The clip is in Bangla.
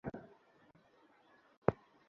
তুমি কি পুরোহিত নাকি একজন ব্যালে ড্যান্সার?